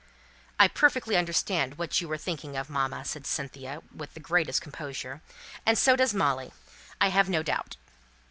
"I perfectly understand what you were thinking of, mamma," said Cynthia, with the greatest composure; "and so does Molly, I have no doubt."